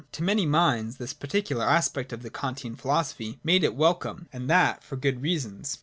To many minds this particular aspect of the Kantian philosophy made it welcome ; and that for good reasons.